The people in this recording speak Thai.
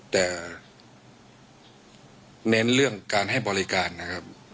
แต่เน้นเรื่องการให้บริการนะครับ